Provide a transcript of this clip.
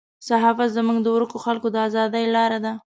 صحافت زموږ د ورکو خلکو د ازادۍ لاره ده.